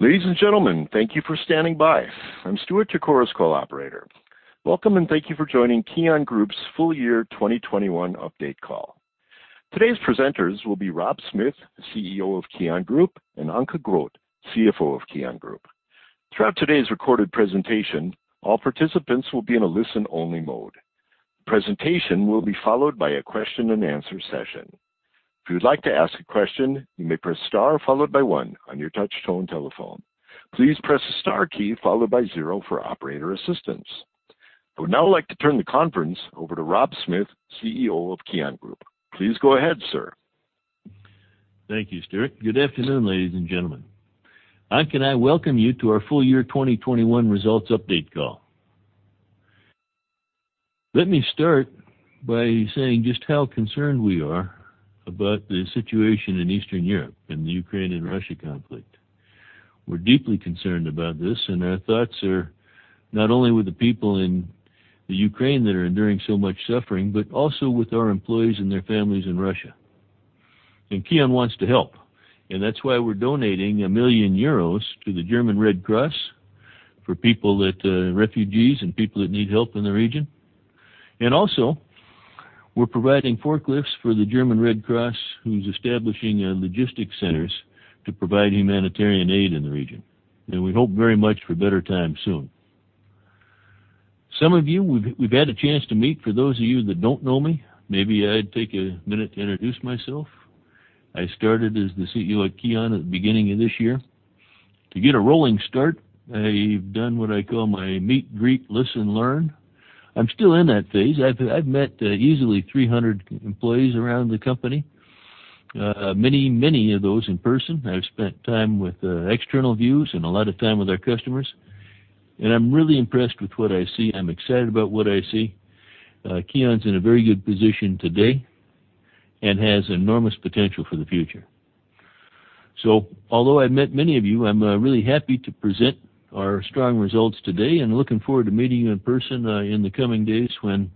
Ladies and gentlemen, thank you for standing by. I'm Stuart Tacoris, Call Operator. Welcome and thank you for joining KION Group's full year 2021 update call. Today's presenters will be Rob Smith, CEO of KION Group, and Anke Groth, CFO of KION Group. Throughout today's recorded presentation, all participants will be in a listen-only mode. The presentation will be followed by a question-and-answer session. If you'd like to ask a question, you may press star followed by one on your touch tone telephone. Please press the star key followed by zero for operator assistance. I would now like to turn the conference over to Rob Smith, CEO of KION Group. Please go ahead, sir. Thank you, Stuart. Good afternoon, ladies and gentlemen. Anke and I welcome you to our full year 2021 results update call. Let me start by saying just how concerned we are about the situation in Eastern Europe and the Ukraine and Russia conflict. We're deeply concerned about this, and our thoughts are not only with the people in the Ukraine that are enduring so much suffering, but also with our employees and their families in Russia. KION wants to help, and that's why we're donating 1 million euros to the German Red Cross for people that, refugees and people that need help in the region. We're providing forklifts for the German Red Cross, who's establishing, logistics centers to provide humanitarian aid in the region. We hope very much for better times soon. Some of you, we've had a chance to meet. For those of you that don't know me, maybe I'd take a minute to introduce myself. I started as the CEO at KION at the beginning of this year. To get a rolling start, I've done what I call my meet, greet, listen, learn. I'm still in that phase. I've met easily 300 employees around the company, many of those in person. I've spent time with external views and a lot of time with our customers, and I'm really impressed with what I see. I'm excited about what I see. KION's in a very good position today and has enormous potential for the future. Although I've met many of you, I'm really happy to present our strong results today and looking forward to meeting you in person in the coming days when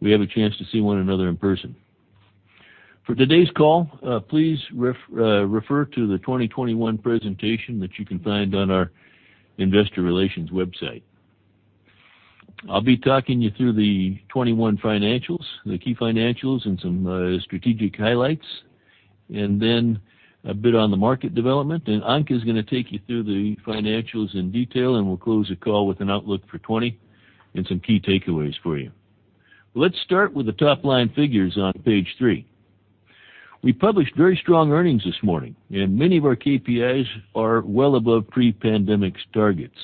we have a chance to see one another in person. For today's call, please refer to the 2021 presentation that you can find on our investor relations website. I'll be talking you through the 2021 financials, the key financials and some strategic highlights, and then a bit on the market development. Anke is gonna take you through the financials in detail, and we'll close the call with an outlook for 2020 and some key takeaways for you. Let's start with the top line figures on page 3. We published very strong earnings this morning, and many of our KPIs are well above pre-pandemic's targets.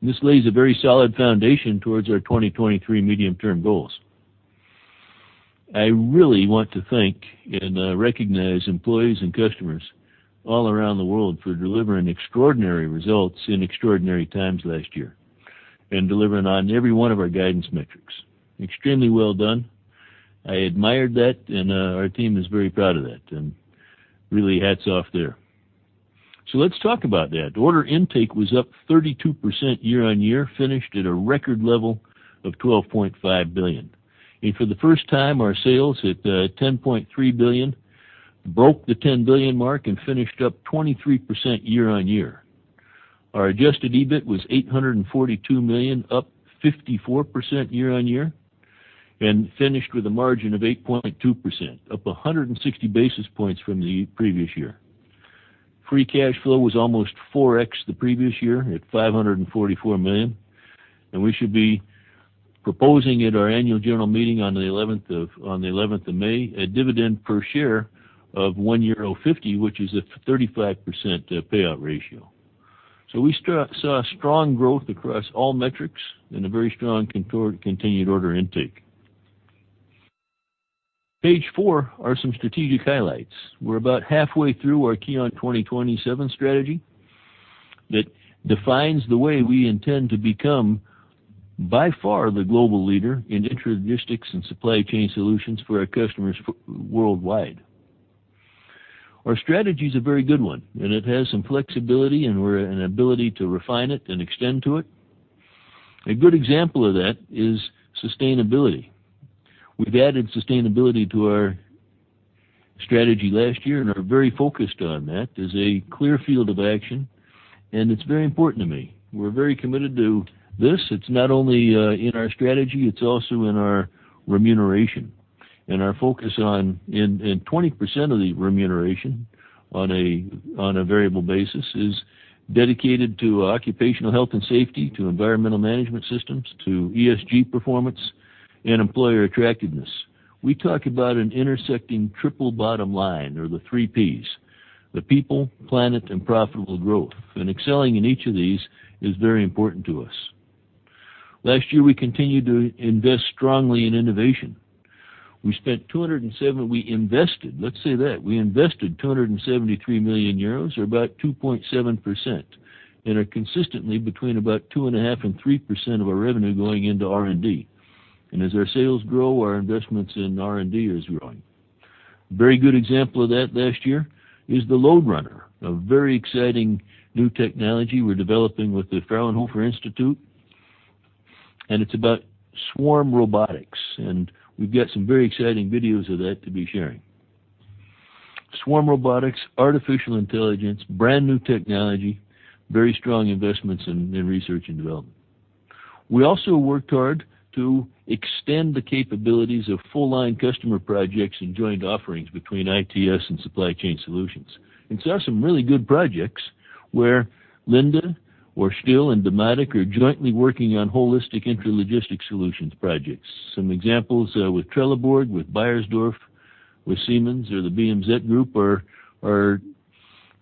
This lays a very solid foundation towards our 2023 medium-term goals. I really want to thank and recognize employees and customers all around the world for delivering extraordinary results in extraordinary times last year and delivering on every one of our guidance metrics. Extremely well done. I admired that, and our team is very proud of that, and really hats off there. Let's talk about that. Order intake was up 32% year-on-year, finished at a record level of 12.5 billion. For the first time, our sales at 10.3 billion broke the 10 billion mark and finished up 23% year-on-year. Our adjusted EBIT was 842 million, up 54% year-on-year, and finished with a margin of 8.2%, up 160 basis points from the previous year. Free cash flow was almost 4x the previous year at 544 million. We should be proposing at our annual general meeting on the 11th of May a dividend per share of 1.50 euro, which is a 35% payout ratio. We saw strong growth across all metrics and a very strong continued order intake. Page 4 are some strategic highlights. We're about halfway through our KION 2027 strategy that defines the way we intend to become by far the global leader in intralogistics and supply chain solutions for our customers worldwide. Our strategy is a very good one, and it has some flexibility and an ability to refine it and extend to it. A good example of that is sustainability. We've added sustainability to our strategy last year and are very focused on that as a clear field of action, and it's very important to me. We're very committed to this. It's not only in our strategy, it's also in our remuneration. In 20% of the remuneration on a variable basis is dedicated to occupational health and safety, to environmental management systems, to ESG performance and employer attractiveness. We talk about an intersecting triple bottom line or the three Ps, the people, planet, and profitable growth. Excelling in each of these is very important to us. Last year, we continued to invest strongly in innovation. We invested. Let's say that. We invested 273 million euros, or about 2.7%, and are consistently between about 2.5% and 3% of our revenue going into R&D. As our sales grow, our investments in R&D is growing. A very good example of that last year is the LoadRunner, a very exciting new technology we're developing with the Fraunhofer Institute. It's about swarm robotics, and we've got some very exciting videos of that to be sharing. Swarm robotics, artificial intelligence, brand new technology, very strong investments in research and development. We also worked hard to extend the capabilities of full line customer projects and joint offerings between ITS and Supply Chain Solutions. Saw some really good projects where Linde and STILL and Dematic are jointly working on holistic intralogistics solutions projects. Some examples with Trelleborg, with Beiersdorf, with Siemens or the BMZ Group are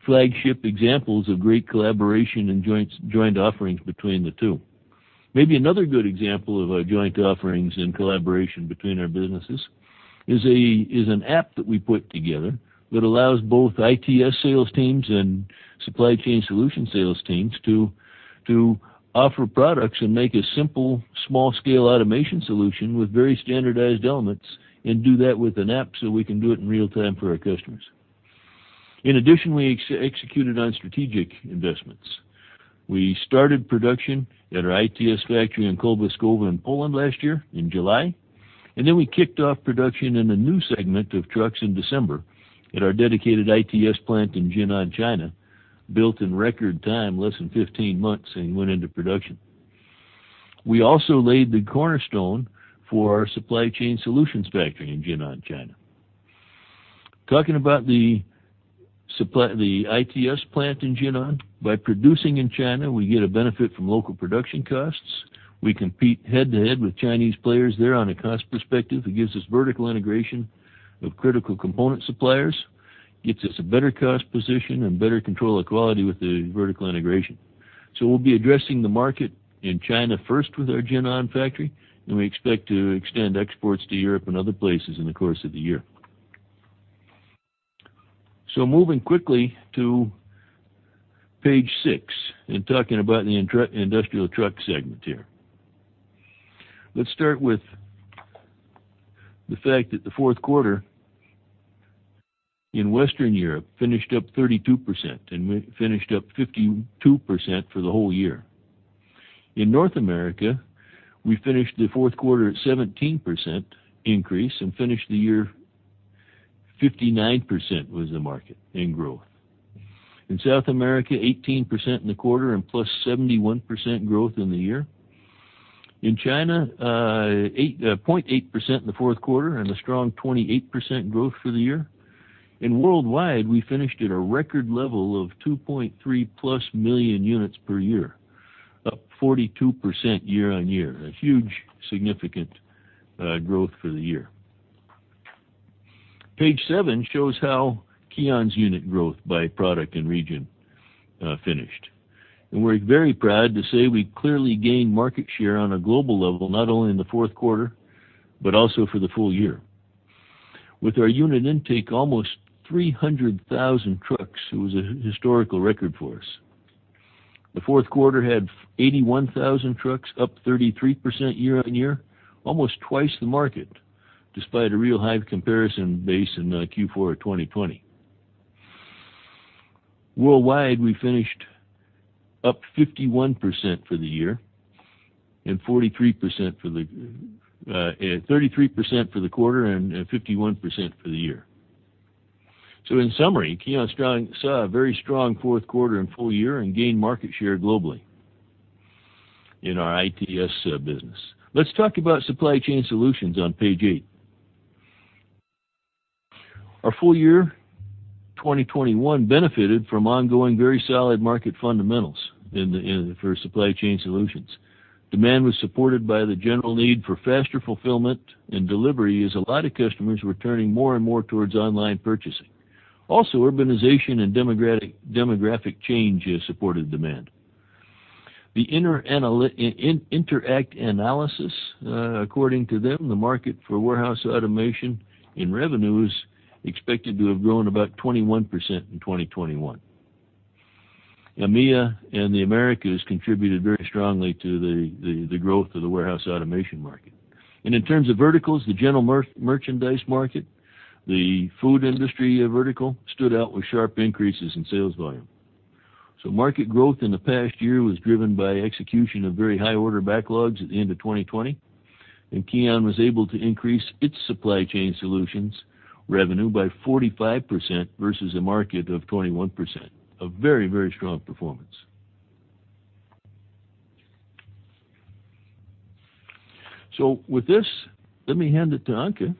flagship examples of great collaboration and joint offerings between the two. Maybe another good example of our joint offerings and collaboration between our businesses is an app that we put together that allows both ITS sales teams and Supply Chain Solutions sales teams to offer products and make a simple, small scale automation solution with very standardized elements, and do that with an app, so we can do it in real time for our customers. In addition, we executed on strategic investments. We started production at our ITS factory in Kolbuszowa in Poland last year in July, and then we kicked off production in a new segment of trucks in December at our dedicated ITS plant in Jinan, China, built in record time, less than 15 months, and went into production. We also laid the cornerstone for our Supply Chain Solutions factory in Jinan, China. Talking about the IT&S plant in Jinan. By producing in China, we get a benefit from local production costs. We compete head to head with Chinese players there on a cost perspective. It gives us vertical integration of critical component suppliers, gets us a better cost position and better control of quality with the vertical integration. We'll be addressing the market in China first with our Jinan factory, and we expect to extend exports to Europe and other places in the course of the year. Moving quickly to page 6 and talking about the industrial truck segment here. Let's start with the fact that the fourth quarter in Western Europe finished up 32%, and we finished up 52% for the whole year. In North America, we finished the fourth quarter at 17% increase and finished the year 59% was the market in growth. In South America, 18% in the quarter and +71% growth in the year. In China, 8.8% in the fourth quarter and a strong 28% growth for the year. Worldwide, we finished at a record level of 2.3+ million units per year, up 42% year-over-year. A huge significant growth for the year. Page 7 shows how KION's unit growth by product and region finished. We're very proud to say we clearly gained market share on a global level, not only in the fourth quarter, but also for the full year. With our unit intake almost 300,000 trucks, it was a historical record for us. The fourth quarter had 81,000 trucks, up 33% year on year, almost twice the market, despite a really high comparison base in Q4 of 2020. Worldwide, we finished up 51% for the year and 33% for the quarter and 51% for the year. In summary, KION saw a very strong fourth quarter and full year and gained market share globally in our ITS business. Let's talk about Supply Chain Solutions on page 8. Our full year 2021 benefited from ongoing very solid market fundamentals for Supply Chain Solutions. Demand was supported by the general need for faster fulfillment and delivery, as a lot of customers were turning more and more towards online purchasing. Also, urbanization and demographic change has supported demand. Interact Analysis, according to them, the market for warehouse automation in revenue is expected to have grown about 21% in 2021. EMEA and the Americas contributed very strongly to the growth of the warehouse automation market. In terms of verticals, the general merchandise market, the food industry vertical, stood out with sharp increases in sales volume. Market growth in the past year was driven by execution of very high order backlogs at the end of 2020, and KION was able to increase its Supply Chain Solutions revenue by 45% versus a market of 21%. A very strong performance. With this, let me hand it to Anke,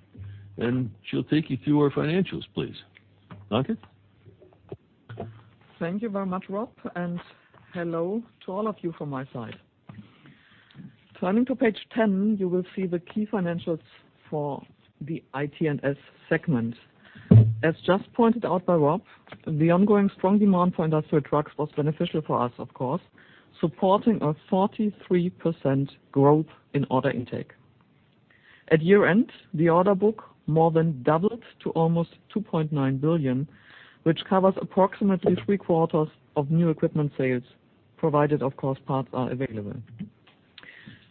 and she'll take you through our financials, please. Anke? Thank you very much, Rob, and hello to all of you from my side. Turning to page 10, you will see the key financials for the IT&S segment. As just pointed out by Rob, the ongoing strong demand for industrial trucks was beneficial for us, of course, supporting a 43% growth in order intake. At year-end, the order book more than doubled to almost 2.9 billion, which covers approximately three-quarters of new equipment sales, provided, of course, parts are available.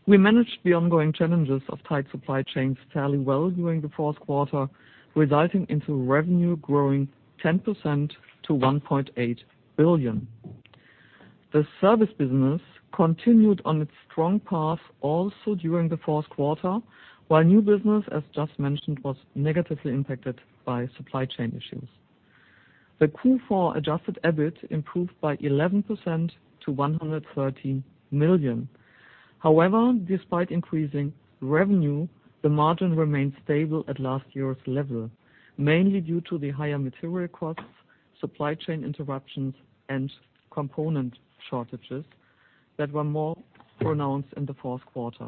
We managed the ongoing challenges of tight supply chain fairly well during the fourth quarter, resulting into revenue growing 10% to 1.8 billion. The service business continued on its strong path also during the fourth quarter, while new business, as just mentioned, was negatively impacted by supply chain issues. The Q4 adjusted EBIT improved by 11% to 113 million. However, despite increasing revenue, the margin remained stable at last year's level, mainly due to the higher material costs, supply chain interruptions and component shortages that were more pronounced in the fourth quarter.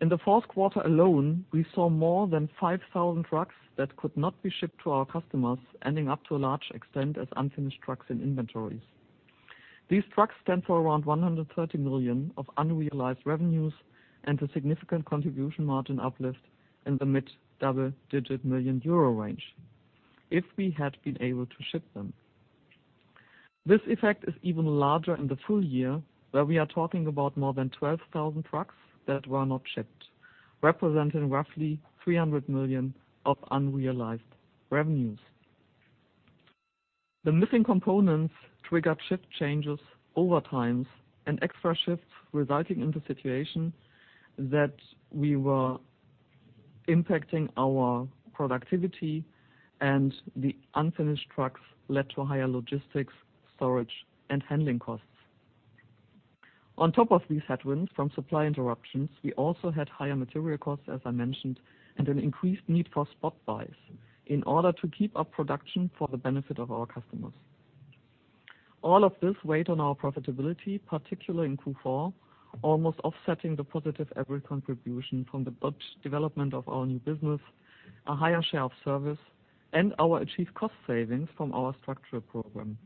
In the fourth quarter alone, we saw more than 5,000 trucks that could not be shipped to our customers, ending up to a large extent as unfinished trucks in inventories. These trucks stand for around 130 million of unrealized revenues and a significant contribution margin uplift in the mid double-digit million EUR range if we had been able to ship them. This effect is even larger in the full year, where we are talking about more than 12,000 trucks that were not shipped, representing roughly 300 million of unrealized revenues. The missing components triggered shift changes, overtimes, and extra shifts, resulting in the situation that we were impacting our productivity and the unfinished trucks led to higher logistics, storage, and handling costs. On top of these headwinds from supply interruptions, we also had higher material costs, as I mentioned, and an increased need for spot buys in order to keep up production for the benefit of our customers. All of this weighed on our profitability, particularly in Q4, almost offsetting the positive EBIT contribution from the good development of our new business, a higher share of service, and our achieved cost savings from our structural program.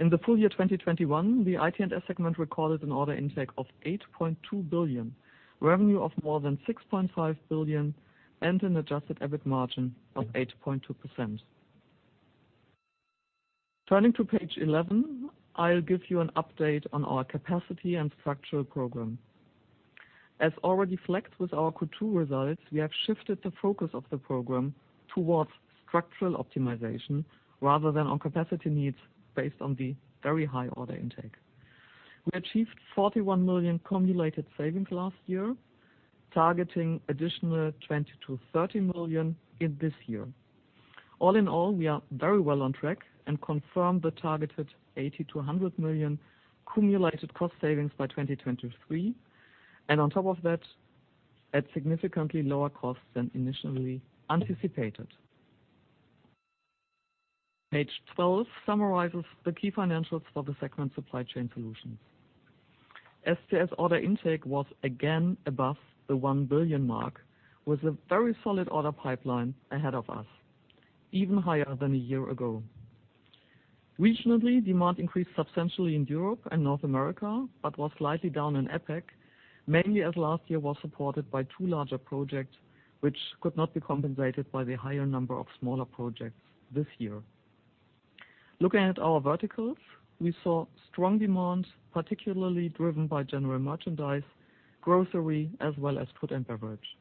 In the full year 2021, the IT&S segment recorded an order intake of 8.2 billion, revenue of more than 6.5 billion, and an adjusted EBIT margin of 8.2%. Turning to page 11, I'll give you an update on our capacity and structural program. As already flagged with our Q2 results, we have shifted the focus of the program towards structural optimization rather than on capacity needs based on the very high order intake. We achieved 41 million cumulated savings last year, targeting additional 20-30 million in this year. All in all, we are very well on track and confirm the targeted 80-100 million cumulated cost savings by 2023, and on top of that, at significantly lower costs than initially anticipated. Page 12 summarizes the key financials for the segment Supply Chain Solutions. SCS order intake was again above the 1 billion mark, with a very solid order pipeline ahead of us, even higher than a year ago. Regionally, demand increased substantially in Europe and North America, but was slightly down in APAC, mainly as last year was supported by two larger projects which could not be compensated by the higher number of smaller projects this year. Looking at our verticals, we saw strong demand, particularly driven by general merchandise, grocery, as well as food and beverage.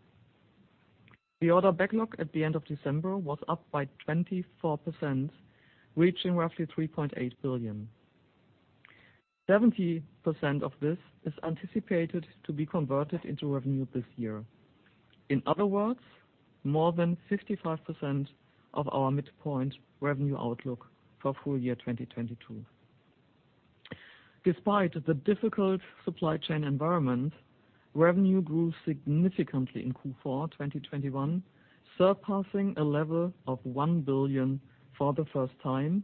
The order backlog at the end of December was up by 24%, reaching roughly 3.8 billion. Seventy percent of this is anticipated to be converted into revenue this year. In other words, more than 55% of our midpoint revenue outlook for full year 2022. Despite the difficult supply chain environment, revenue grew significantly in Q4 2021, surpassing a level of 1 billion for the first time.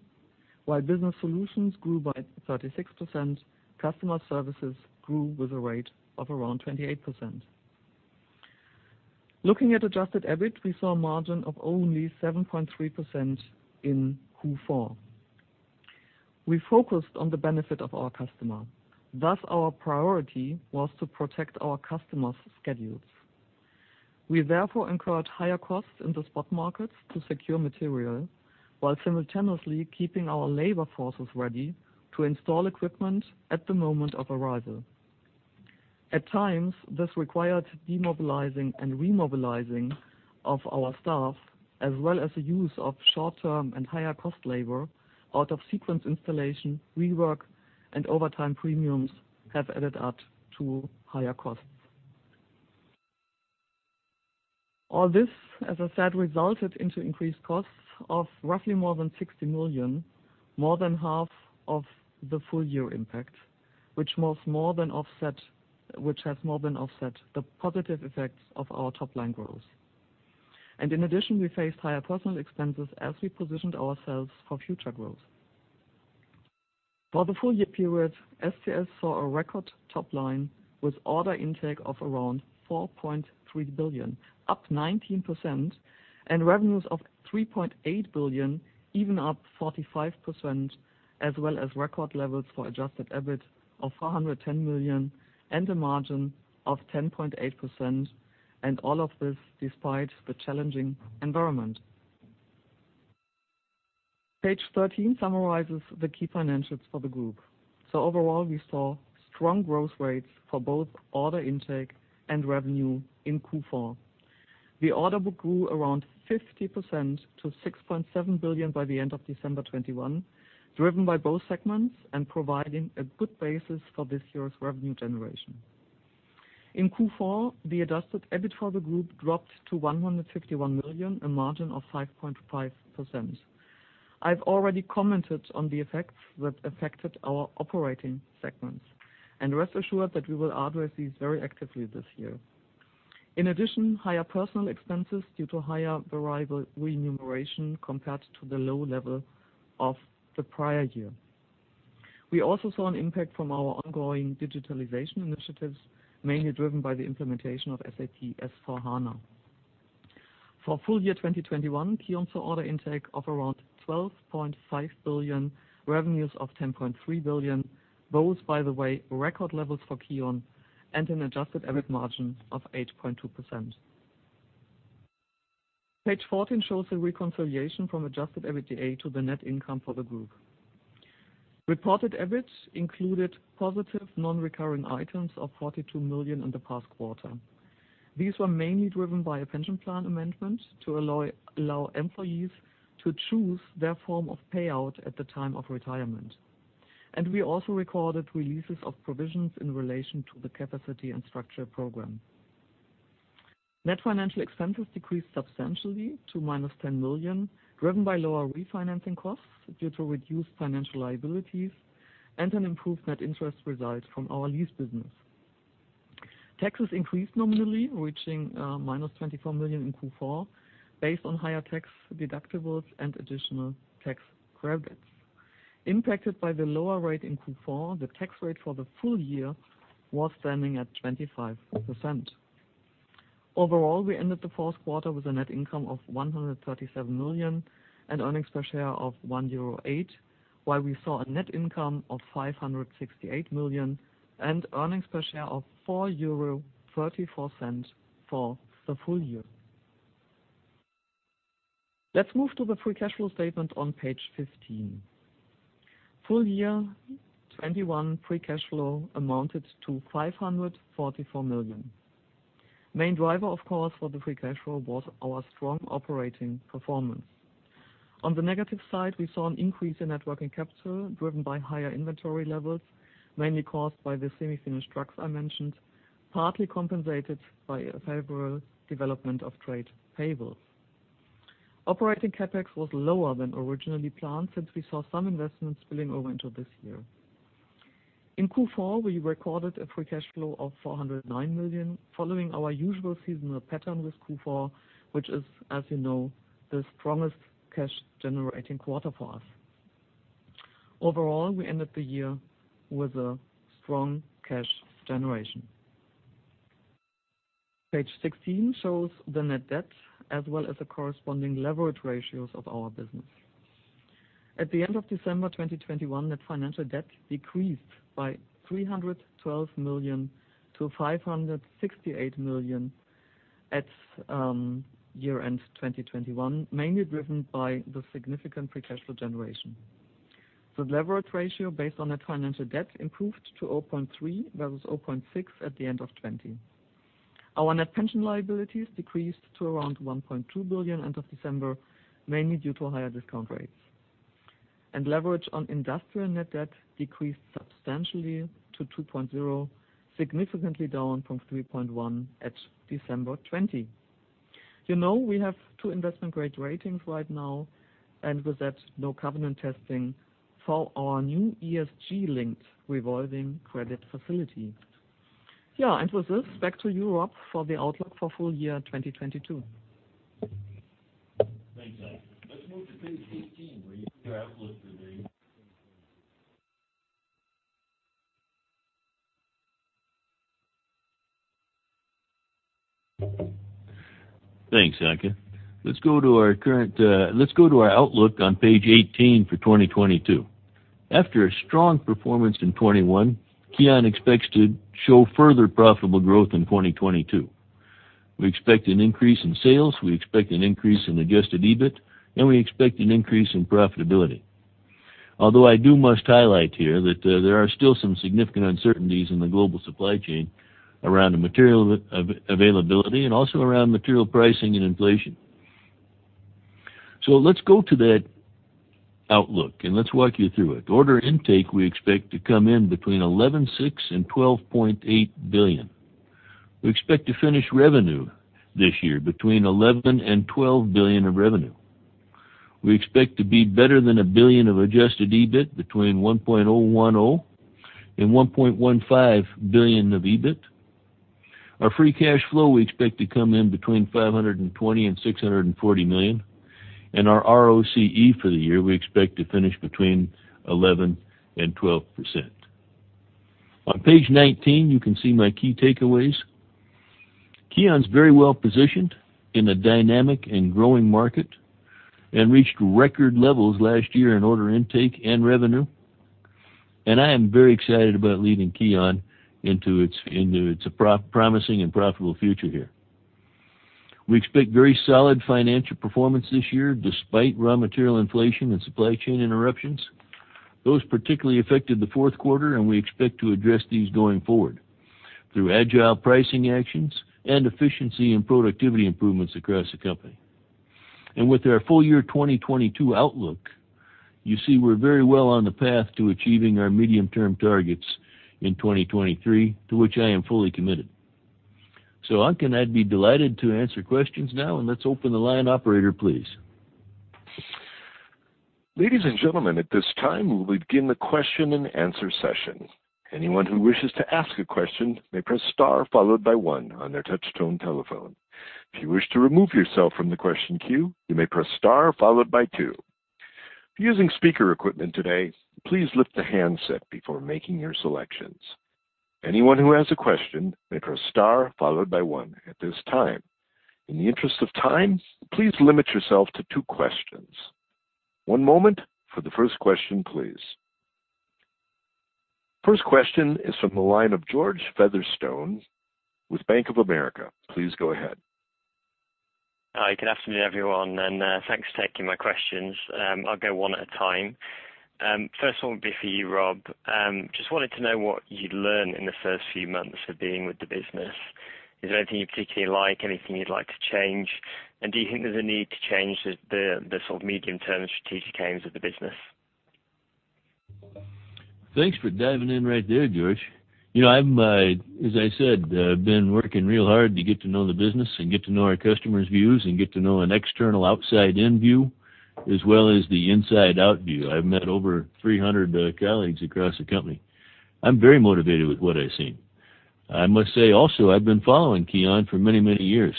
While business solutions grew by 36%, customer services grew with a rate of around 28%. Looking at adjusted EBIT, we saw a margin of only 7.3% in Q4. We focused on the benefit of our customer. Thus, our priority was to protect our customers' schedules. We therefore incurred higher costs in the spot markets to secure material while simultaneously keeping our labor forces ready to install equipment at the moment of arrival. At times, this required demobilizing and remobilizing of our staff as well as the use of short-term and higher cost labor. Out of sequence installation, rework, and overtime premiums have added up to higher costs. All this, as I said, resulted into increased costs of roughly more than 60 million, more than half of the full year impact, which has more than offset the positive effects of our top-line growth. In addition, we faced higher personal expenses as we positioned ourselves for future growth. For the full year period, SCS saw a record top line with order intake of around 4.3 billion, up 19%, and revenues of 3.8 billion, even up 45%, as well as record levels for adjusted EBIT of 410 million and a margin of 10.8%. All of this despite the challenging environment. Page 13 summarizes the key financials for the group. Overall, we saw strong growth rates for both order intake and revenue in Q4. The order book grew around 50% to 6.7 billion by the end of December 2021, driven by both segments and providing a good basis for this year's revenue generation. In Q4, the adjusted EBIT for the group dropped to 151 million, a margin of 5.5%. I've already commented on the effects that affected our operating segments. Rest assured that we will address these very actively this year. In addition, higher personnel expenses due to higher variable remuneration compared to the low level of the prior year. We also saw an impact from our ongoing digitalization initiatives, mainly driven by the implementation of SAP S/4HANA. For full year 2021, KION's order intake of around 12.5 billion, revenues of 10.3 billion, both by the way, record levels for KION and an adjusted EBIT margin of 8.2%. Page 14 shows a reconciliation from adjusted EBITDA to the net income for the group. Reported EBIT included positive non-recurring items of 42 million in the past quarter. These were mainly driven by a pension plan amendment to allow employees to choose their form of payout at the time of retirement. We also recorded releases of provisions in relation to the capacity and structure program. Net financial expenses decreased substantially to -10 million, driven by lower refinancing costs due to reduced financial liabilities and an improved net interest result from our lease business. Taxes increased nominally, reaching -24 million in Q4 based on higher tax deductibles and additional tax credits. Impacted by the lower rate in Q4, the tax rate for the full year was standing at 25%. Overall, we ended the fourth quarter with a net income of 137 million and earnings per share of 1.08 euro, while we saw a net income of 568 million and earnings per share of 4.34 euro for the full year. Let's move to the free cash flow statement on page 15. Full year 2021 free cash flow amounted to 544 million. Main driver, of course, for the free cash flow was our strong operating performance. On the negative side, we saw an increase in net working capital driven by higher inventory levels, mainly caused by the semi-finished trucks I mentioned, partly compensated by a favorable development of trade payables. Operating CapEx was lower than originally planned since we saw some investments spilling over into this year. In Q4, we recorded a free cash flow of 409 million following our usual seasonal pattern with Q4, which is, as you know, the strongest cash-generating quarter for us. Overall, we ended the year with a strong cash generation. Page 16 shows the net debt as well as the corresponding leverage ratios of our business. At the end of December 2021, the financial debt decreased by 312 million to 568 million at year-end 2021, mainly driven by the significant free cash flow generation. The leverage ratio based on financial debt improved to 0.3x versus 0.6x at the end of 2020. Our net pension liabilities decreased to around 1.2 billion at the end of December, mainly due to higher discount rates. Leverage on industrial net debt decreased substantially to 2.0x, significantly down from 3.1x at December 2020. You know, we have two investment-grade ratings right now, and with that, no covenant testing for our new ESG-linked revolving credit facility. Yeah, and with this, back to you, Rob, for the outlook for full year 2022. Thanks, Anke. Let's go to our outlook on page 18 for 2022. After a strong performance in 2021, KION expects to show further profitable growth in 2022. We expect an increase in sales, we expect an increase in adjusted EBIT, and we expect an increase in profitability. I must highlight here that there are still some significant uncertainties in the global supply chain around the material availability and also around material pricing and inflation. Let's go to that outlook, and let's walk you through it. Order intake, we expect to come in between 11.6 billion and 12.8 billion. We expect to finish revenue this year between 11 billion and 12 billion of revenue. We expect to be better than 1 billion of adjusted EBIT between 1.010 billion and 1.15 billion of EBIT. Our free cash flow, we expect to come in between 520 million and 640 million. Our ROCE for the year, we expect to finish between 11% and 12%. On page 19, you can see my key takeaways. KION is very well positioned in a dynamic and growing market and reached record levels last year in order intake and revenue. I am very excited about leading KION into its promising and profitable future here. We expect very solid financial performance this year despite raw material inflation and supply chain interruptions. Those particularly affected the fourth quarter, and we expect to address these going forward through agile pricing actions and efficiency and productivity improvements across the company. With our full year 2022 outlook, you see we're very well on the path to achieving our medium-term targets in 2023, to which I am fully committed. Anke and I'd be delighted to answer questions now. Let's open the line, operator, please. Ladies and gentlemen, at this time, we'll begin the question and answer session. Anyone who wishes to ask a question may press star followed by one on their touchtone telephone. If you wish to remove yourself from the question queue, you may press star followed by two. If you're using speaker equipment today, please lift the handset before making your selections. Anyone who has a question may press star followed by one at this time. In the interest of time, please limit yourself to two questions. One moment for the first question, please. First question is from the line of George Featherstone with Bank of America. Please go ahead. Hi, good afternoon, everyone, and thanks for taking my questions. I'll go one at a time. First one will be for you, Rob. Just wanted to know what you'd learned in the first few months of being with the business. Is there anything you particularly like? Anything you'd like to change? Do you think there's a need to change the sort of medium-term strategic aims of the business? Thanks for diving in right there, George. You know, I'm, as I said, been working real hard to get to know the business and get to know our customers' views and get to know an external outside-in view as well as the inside-out view. I've met over 300 colleagues across the company. I'm very motivated with what I've seen. I must say also, I've been following KION for many, many years.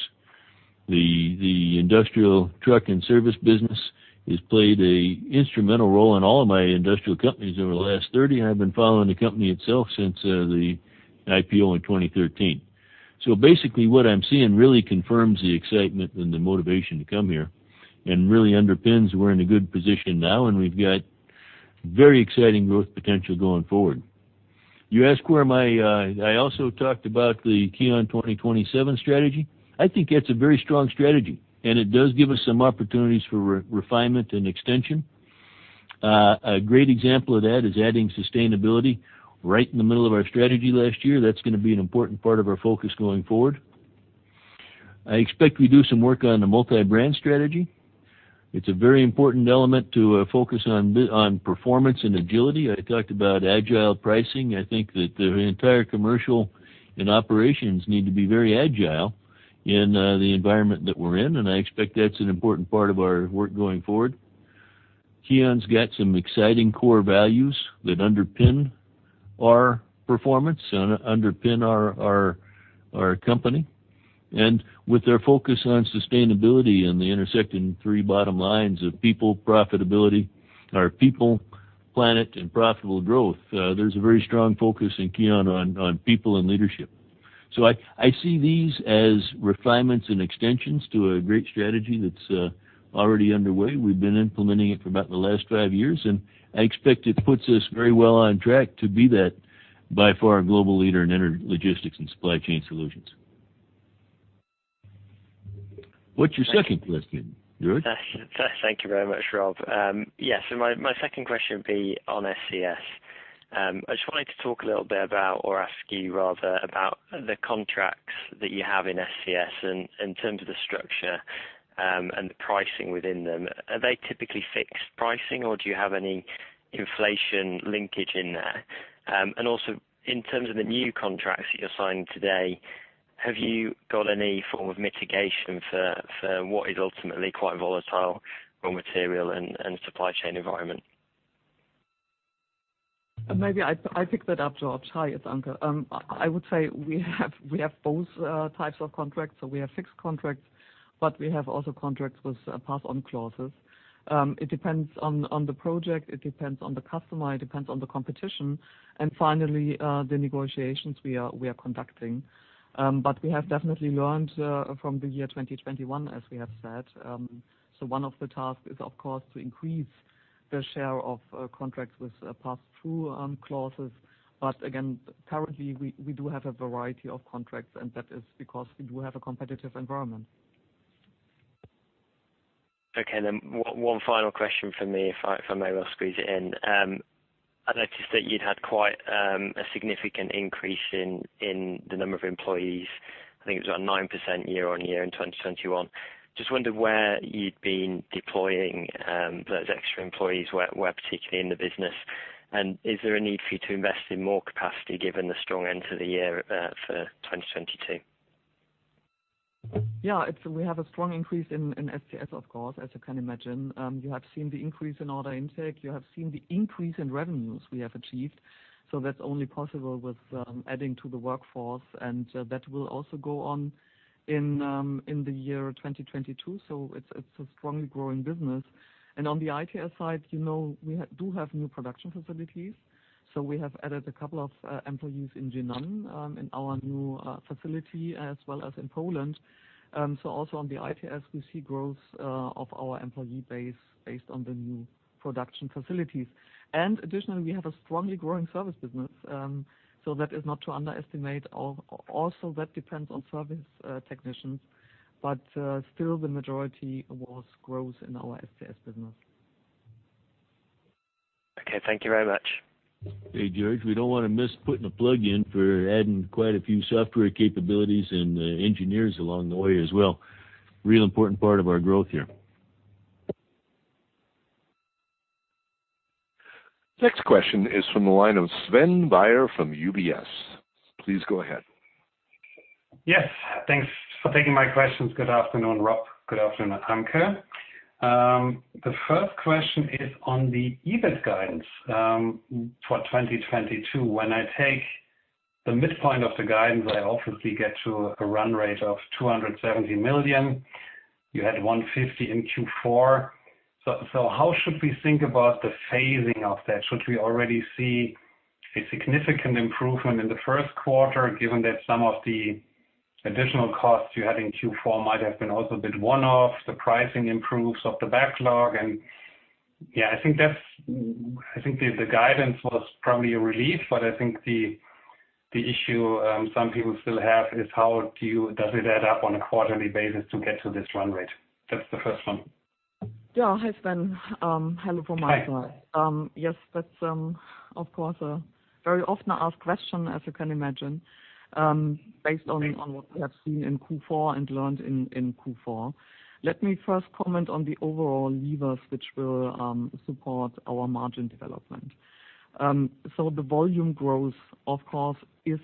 The industrial truck and service business has played an instrumental role in all of my industrial companies over the last 30, and I've been following the company itself since the IPO in 2013. Basically what I'm seeing really confirms the excitement and the motivation to come here and really underpins we're in a good position now, and we've got very exciting growth potential going forward. I also talked about the KION 2027 strategy. I think that's a very strong strategy, and it does give us some opportunities for re-refinement and extension. A great example of that is adding sustainability right in the middle of our strategy last year. That's gonna be an important part of our focus going forward. I expect we do some work on the multi-brand strategy. It's a very important element to focus on performance and agility. I talked about agile pricing. I think that the entire commercial and operations need to be very agile in the environment that we're in, and I expect that's an important part of our work going forward. KION's got some exciting core values that underpin our performance and underpin our company. With their focus on sustainability and the intersecting three bottom lines of people, planet and profitable growth, there's a very strong focus in KION on people and leadership. I see these as refinements and extensions to a great strategy that's already underway. We've been implementing it for about the last five years, and I expect it puts us very well on track to be that, by far, global leader in intralogistics and Supply Chain Solutions. What's your second question, George? Thank you very much, Rob. Yeah. My second question would be on SCS. I just wanted to talk a little bit about or ask you rather about the contracts that you have in SCS in terms of the structure and the pricing within them. Are they typically fixed pricing or do you have any inflation linkage in there? And also in terms of the new contracts that you're signing today, have you got any form of mitigation for what is ultimately quite volatile raw material and supply chain environment? Maybe I pick that up, George. Hi, it's Anke. I would say we have both types of contracts. We have fixed contracts, we have also contracts with pass-on clauses. It depends on the project. It depends on the customer. It depends on the competition and finally the negotiations we are conducting. We have definitely learned from the year 2021, as we have said. One of the tasks is, of course, to increase the share of contracts with pass-through clauses. Again, currently, we do have a variety of contracts, and that is because we do have a competitive environment. Okay, one final question from me, if I may well squeeze it in. I noticed that you'd had quite a significant increase in the number of employees. I think it was around 9% year-on-year in 2021. Just wondered where you'd been deploying those extra employees, where particularly in the business. Is there a need for you to invest in more capacity given the strong end to the year for 2022? Yeah. It's we have a strong increase in SCS, of course, as you can imagine. You have seen the increase in order intake. You have seen the increase in revenues we have achieved. That's only possible with adding to the workforce and that will also go on in the year 2022, so it's a strongly growing business. On the ITS side, you know, we do have new production facilities, so we have added a couple of employees in Jinan in our new facility as well as in Poland. Also on the ITS, we see growth of our employee base based on the new production facilities. Additionally, we have a strongly growing service business. That is not to underestimate. Also that depends on service technicians, but still the majority was growth in our SCS business. Okay. Thank you very much. Hey, George, we don't wanna miss putting a plug in for adding quite a few software capabilities and engineers along the way as well. Really important part of our growth here. Next question is from the line of Sven Weier from UBS. Please go ahead. Yes. Thanks for taking my questions. Good afternoon, Rob. Good afternoon, Anke. The first question is on the EBIT guidance for 2022. When I take the midpoint of the guidance, I obviously get to a run rate of 270 million. You had 150 million in Q4. So how should we think about the phasing of that? Should we already see a significant improvement in the first quarter, given that some of the additional costs you had in Q4 might have been also a bit one-off, the pricing improves of the backlog and. I think the guidance was probably a relief, but I think the issue some people still have is how does it add up on a quarterly basis to get to this run rate. That's the first one. Yeah. Hi, Sven. Hello from my side. Hi. Yes. That's, of course, a very often asked question, as you can imagine, based on what we have seen in Q4 and learned in Q4. Let me first comment on the overall levers which will support our margin development. The volume growth, of course, is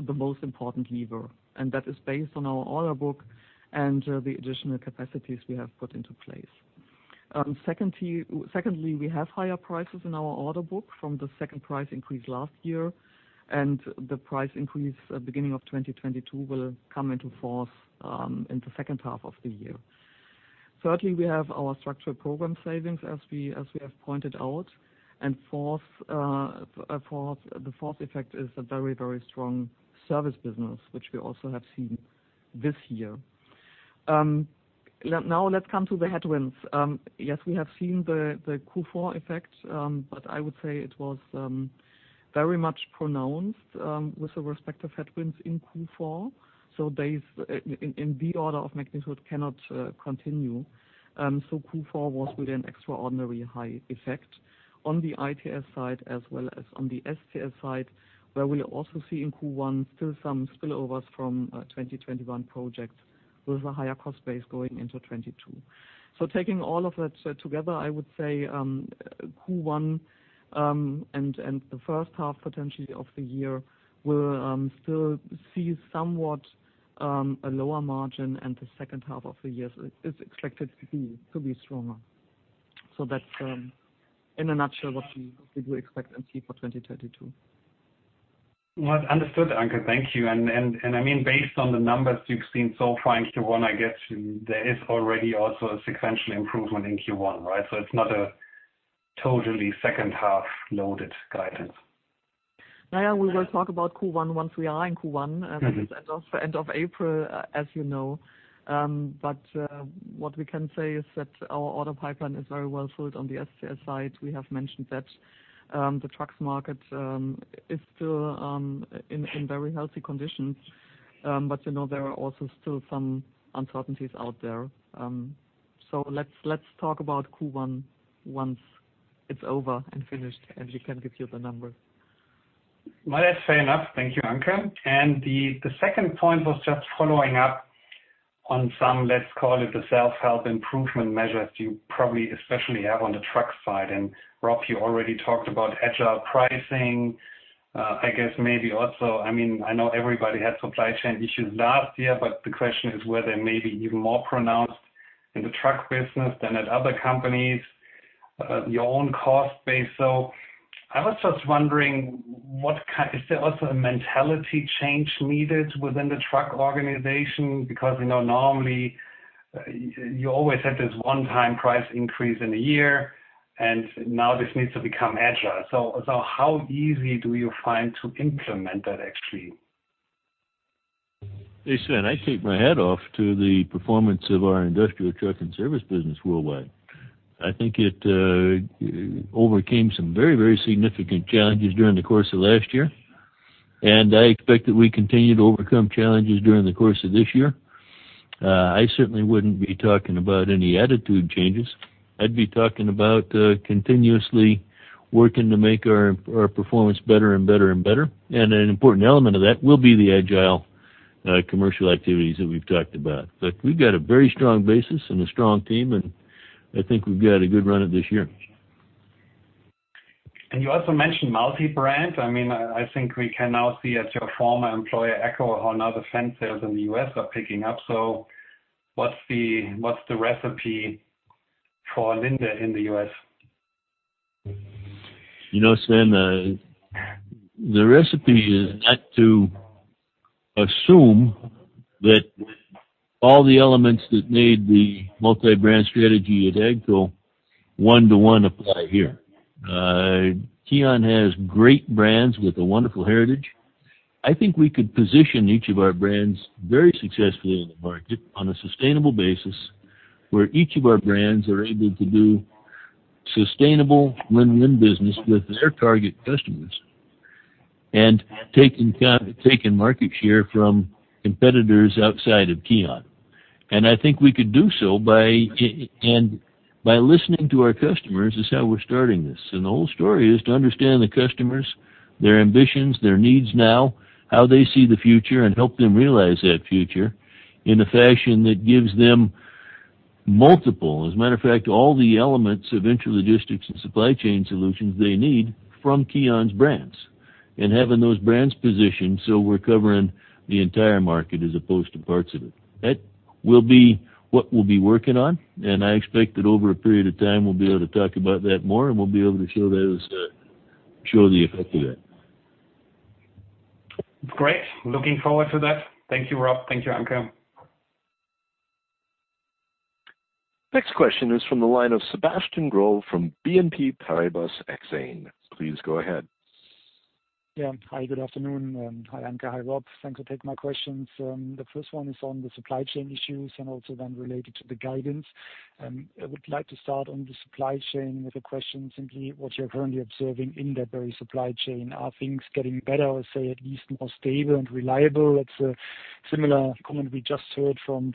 the most important lever, and that is based on our order book and the additional capacities we have put into place. Secondly, we have higher prices in our order book from the second price increase last year, and the price increase at beginning of 2022 will come into force in the second half of the year. Thirdly, we have our structural program savings as we have pointed out. Fourth, the fourth effect is a very, very strong service business, which we also have seen this year. Now let's come to the headwinds. Yes, we have seen the Q4 effect, but I would say it was very much pronounced with the respective headwinds in Q4, so they in the order of magnitude cannot continue. Q4 was with an extraordinary high effect on the ITS side as well as on the SCS side, where we'll also see in Q1 still some spillovers from 2021 projects with a higher cost base going into 2022. Taking all of that together, I would say Q1 and the first half potentially of the year will still see somewhat a lower margin and the second half of the year is expected to be stronger. That's in a nutshell what we do expect and see for 2022. Well, understood, Anke. Thank you. I mean, based on the numbers you've seen so far in Q1, I guess there is already also a sequential improvement in Q1, right? It's not a totally second half loaded guidance. Yeah. We will talk about Q1 once we are in Q1. Mm-hmm. It is end of April, as you know. But what we can say is that our order pipeline is very well filled on the SCS side. We have mentioned that, the trucks market is still in very healthy conditions. You know, there are also still some uncertainties out there. Let's talk about Q1 once it's over and finished, and we can give you the numbers. Well, that's fair enough. Thank you, Anke. The second point was just following up on some, let's call it the self-help improvement measures you probably especially have on the truck side. Rob, you already talked about agile pricing. I guess maybe also. I mean, I know everybody had supply chain issues last year, but the question is were they maybe even more pronounced in the truck business than at other companies, your own cost base. I was just wondering what is there also a mentality change needed within the truck organization? Because, you know, normally, you always have this one-time price increase in a year, and now this needs to become agile. How easy do you find to implement that actually? Hey, Sven, I take my hat off to the performance of our industrial truck and service business worldwide. I think it overcame some very, very significant challenges during the course of last year, and I expect that we continue to overcome challenges during the course of this year. I certainly wouldn't be talking about any attitude changes. I'd be talking about continuously working to make our performance better and better and better. An important element of that will be the agile commercial activities that we've talked about. Look, we've got a very strong basis and a strong team, and I think we've got a good run at this year. You also mentioned multi-brand. I mean, I think we can now see as your former employer, AGCO, how now the Fendt sales in the U.S. are picking up. What's the recipe for Linde in the U.S.? You know, Sven, the recipe is not to assume that all the elements that made the multi-brand strategy at AGCO one-to-one apply here. KION has great brands with a wonderful heritage. I think we could position each of our brands very successfully in the market on a sustainable basis, where each of our brands are able to do sustainable win-win business with their target customers, taking market share from competitors outside of KION. I think we could do so by listening to our customers is how we're starting this. The whole story is to understand the customers, their ambitions, their needs now, how they see the future, and help them realize that future in a fashion that gives them multiple, as a matter of fact, all the elements of intralogistics and supply chain solutions they need from KION's brands. Having those brands positioned so we're covering the entire market as opposed to parts of it. That will be what we'll be working on, and I expect that over a period of time, we'll be able to talk about that more, and we'll be able to show those, show the effect of that. Great. Looking forward to that. Thank you, Rob. Thank you, Anke. Next question is from the line of Sebastian Growe from BNP Paribas Exane. Please go ahead. Yeah. Hi, good afternoon, and hi, Anke. Hi, Rob. Thanks for taking my questions. The first one is on the supply chain issues and also then related to the guidance. I would like to start on the supply chain with a question simply what you're currently observing in that very supply chain. Are things getting better or, say, at least more stable and reliable? That's a similar comment we just heard from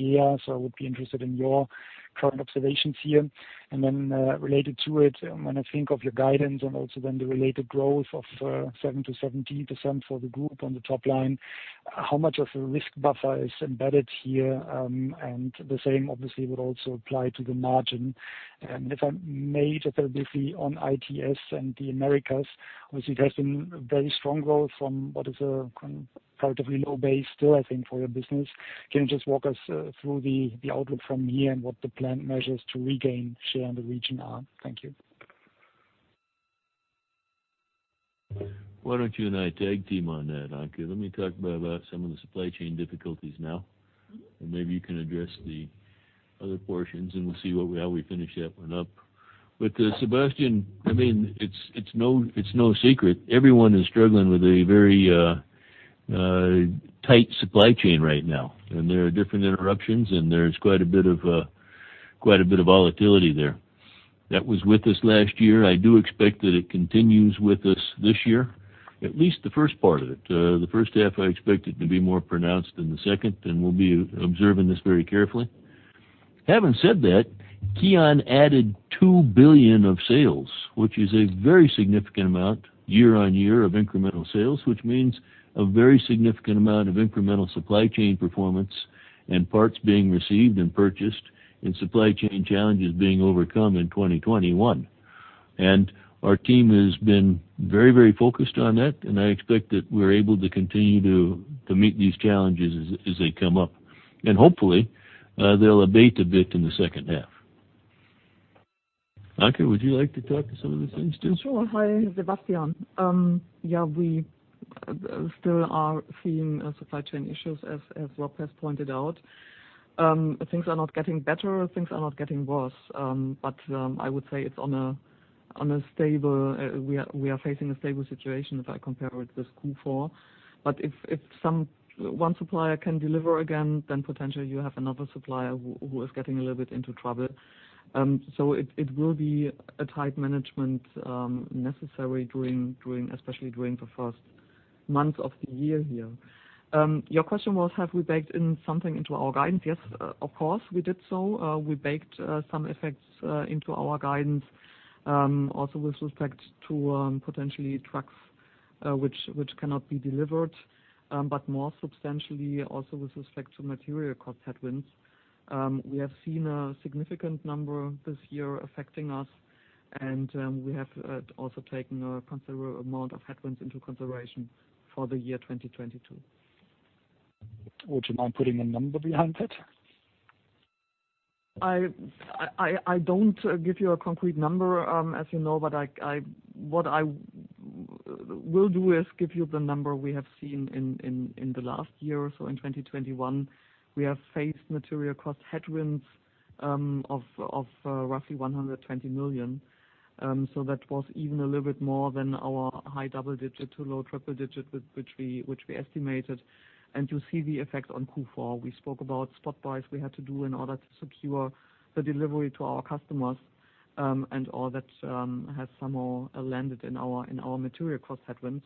GEA, so I would be interested in your current observations here. Related to it, when I think of your guidance and also then the related growth of 7%-17% for the group on the top line, how much of a risk buffer is embedded here? The same obviously would also apply to the margin. If I may just quickly on ITS and the Americas, obviously there's been very strong growth from what is a relatively low base still, I think, for your business. Can you just walk us through the outlook from here and what the planned measures to regain share in the region are? Thank you. Why don't you and I tag team on that, Anke? Let me talk about some of the supply chain difficulties now, and maybe you can address the other portions, and we'll see how we finish that one up. Sebastian, I mean, it's no secret. Everyone is struggling with a very tight supply chain right now. There are different interruptions, and there's quite a bit of volatility there. That was with us last year. I do expect that it continues with us this year, at least the first part of it. The first half I expect it to be more pronounced than the second, and we'll be observing this very carefully. Having said that, KION added 2 billion of sales, which is a very significant amount year-on-year of incremental sales, which means a very significant amount of incremental supply chain performance and parts being received and purchased and supply chain challenges being overcome in 2021. Our team has been very, very focused on that, and I expect that we're able to continue to meet these challenges as they come up. Hopefully, they'll abate a bit in the second half. Anke, would you like to talk to some of the things, too? Sure. Hi, Sebastian. Yeah, we still are seeing supply chain issues as Rob has pointed out. Things are not getting better, things are not getting worse. I would say it's on a stable, we are facing a stable situation if I compare with this Q4. If one supplier can deliver again, then potentially you have another supplier who is getting a little bit into trouble. It will be a tight management necessary during, especially during the first months of the year here. Your question was have we baked in something into our guidance? Yes, of course, we did so. We baked some effects into our guidance, also with respect to potentially trucks which cannot be delivered, but more substantially also with respect to material cost headwinds. We have seen a significant number this year affecting us, and we have also taken a considerable amount of headwinds into consideration for the year 2022. Would you mind putting a number behind that? I don't give you a concrete number, as you know, but what I will do is give you the number we have seen in the last year or so. In 2021, we have faced material cost headwinds of roughly 120 million. So that was even a little bit more than our high double-digit to low triple-digit which we estimated. You see the effect on Q4. We spoke about spot buys we had to do in order to secure the delivery to our customers, and all that has somehow landed in our material cost headwinds.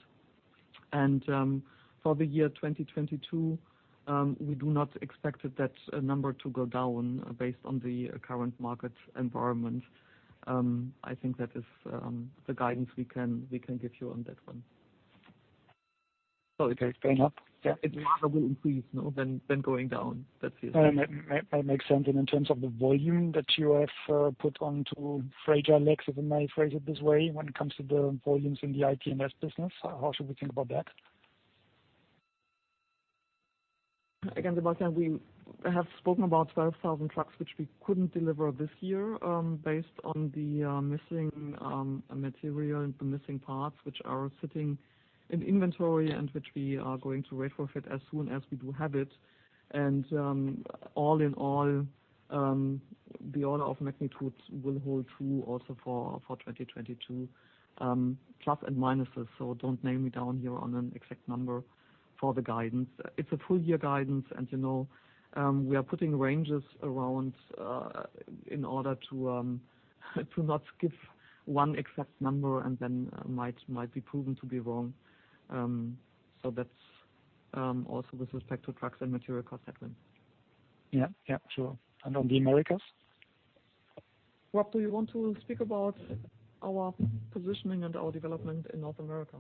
For the year 2022, we do not expect that number to go down, based on the current market environment. I think that is the guidance we can give you on that one. It is going up? Yeah. It rather will increase than going down. That's yes. Make sense. In terms of the volume that you have put onto fragile legs, if I may phrase it this way, when it comes to the volumes in the ITS business, how should we think about that? Again, Sebastian, we have spoken about 12,000 trucks which we couldn't deliver this year, based on the missing material and the missing parts which are sitting in inventory and which we are going to wait for it as soon as we do have it. All in all, the order of magnitudes will hold true also for 2022, plus and minuses, so don't nail me down here on an exact number for the guidance. It's a full year guidance and, you know, we are putting ranges around in order to not give one exact number and then might be proven to be wrong. That's also with respect to trucks and material cost headwinds. Yeah, yeah, sure. On the Americas? Rob, do you want to speak about our positioning and our development in North America?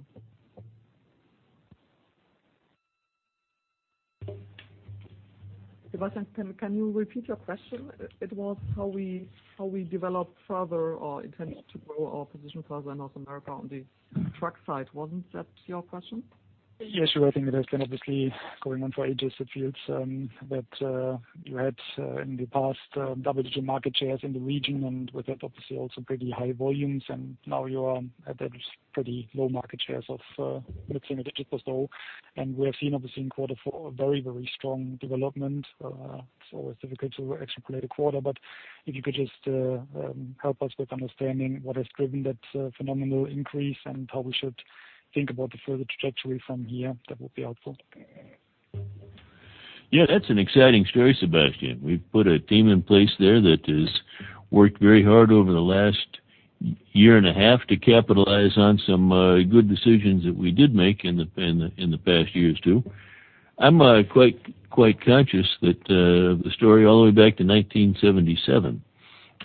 Sebastian, can you repeat your question? It was how we developed further or intend to grow our position further in North America on the truck side. Wasn't that your question? Yes, sure. I think it has been obviously going on for ages. It feels that you had in the past double-digit market shares in the region and with that, obviously also pretty high volumes. Now you are at a pretty low market shares of, let's say a digit plus, though. We have seen obviously in quarter four a very, very strong development. It's always difficult to extrapolate a quarter, but if you could just help us with understanding what has driven that phenomenal increase and how we should think about the further trajectory from here, that would be helpful. Yeah, that's an exciting story, Sebastian. We've put a team in place there that has worked very hard over the last year and a half to capitalize on some good decisions that we did make in the past years, too. I'm quite conscious that the story all the way back to 1977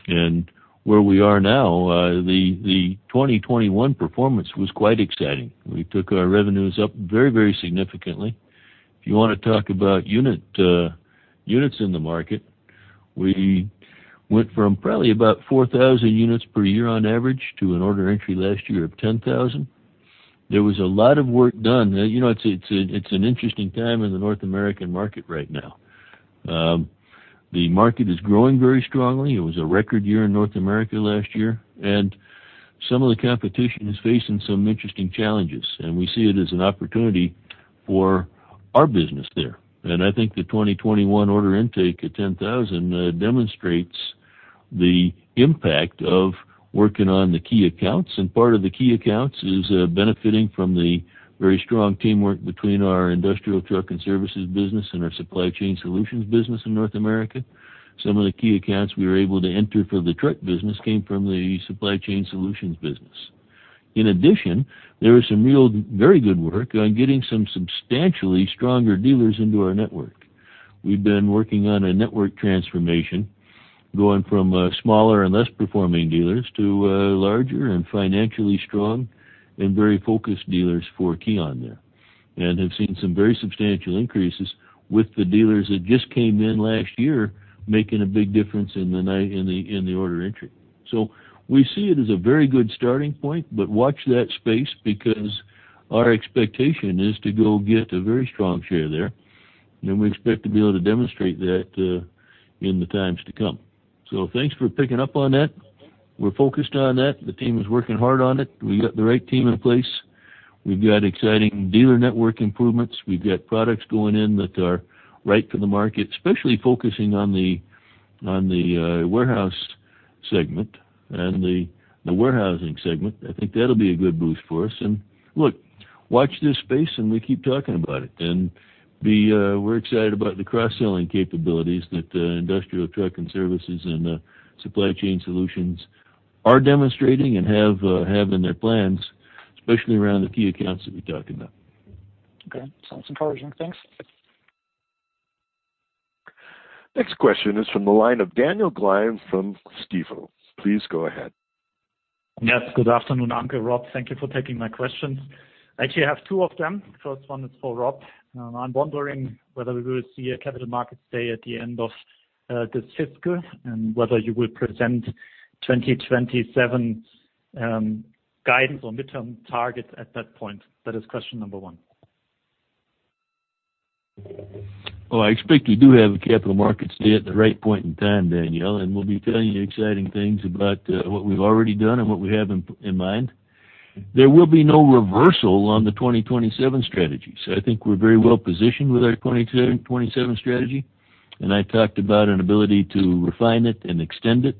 and where we are now, the 2021 performance was quite exciting. We took our revenues up very, very significantly. If you wanna talk about units in the market, we went from probably about 4,000 units per year on average to an order entry last year of 10,000. There was a lot of work done. You know, it's an interesting time in the North American market right now. The market is growing very strongly. It was a record year in North America last year, and some of the competition is facing some interesting challenges, and we see it as an opportunity for our business there. I think the 2021 order intake at 10,000 demonstrates the impact of working on the key accounts. Part of the key accounts is benefiting from the very strong teamwork between our Industrial Trucks & Services business and our Supply Chain Solutions business in North America. Some of the key accounts we were able to enter for the truck business came from the Supply Chain Solutions business. In addition, there is some real very good work on getting some substantially stronger dealers into our network. We've been working on a network transformation, going from smaller and less performing dealers to larger and financially strong and very focused dealers for KION there. Have seen some very substantial increases with the dealers that just came in last year, making a big difference in the in the order entry. We see it as a very good starting point, but watch that space because our expectation is to go get a very strong share there, and we expect to be able to demonstrate that in the times to come. Thanks for picking up on that. We're focused on that. The team is working hard on it. We got the right team in place. We've got exciting dealer network improvements. We've got products going in that are right for the market, especially focusing on the warehouse segment and the warehousing segment. I think that'll be a good boost for us. Look, watch this space and we keep talking about it. We're excited about the cross-selling capabilities that Industrial Trucks & Services and Supply Chain Solutions are demonstrating and have in their plans, especially around the key accounts that we talked about. Okay. Sounds encouraging. Thanks. Next question is from the line of Daniel Gleim from Stifel. Please go ahead. Yes, good afternoon, Anke, Rob, thank you for taking my questions. Actually, I have two of them. First one is for Rob. I'm wondering whether we will see a capital markets day at the end of this fiscal and whether you will present 2027 guidance or midterm targets at that point. That is question number one. Well, I expect we do have the Capital Markets Day at the right point in time, Daniel, and we'll be telling you exciting things about what we've already done and what we have in mind. There will be no reversal on the KION 2027 strategy. I think we're very well positioned with our KION 2027 strategy, and I talked about an ability to refine it and extend it.